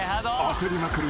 焦りまくる